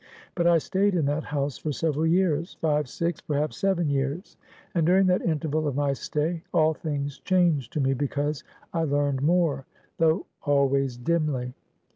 But I stayed in that house for several years five, six, perhaps, seven years and during that interval of my stay, all things changed to me, because I learned more, though always dimly.